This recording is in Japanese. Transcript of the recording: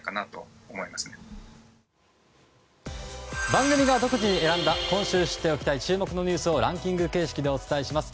番組が独自に選んだ今週知っておきたいニュースをランキング形式でお伝えします。